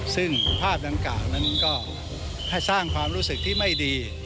ซึ่งภาพดังกล่าวนั้นก็ให้สร้างความรู้สึกที่ไม่ดี